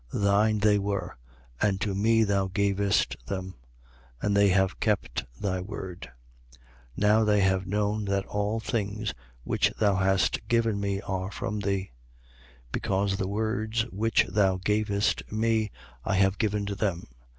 Thine they were: and to me thou gavest them. And they have kept thy word. 17:7. Now they have known that all things which thou hast given me are from thee: 17:8. Because the words which thou gavest me, I have given to them.